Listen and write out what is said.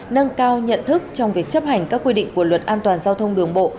nâng cao nhận thức trong việc chấp hành các quy định của luật an toàn giao thông đường bộ